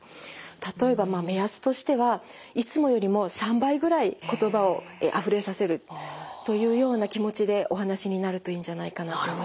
例えばまあ目安としてはいつもよりも３倍ぐらい言葉をあふれさせるというような気持ちでお話しになるといいんじゃないかなと思います。